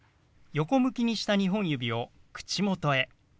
横向きにした２本指を口元へ。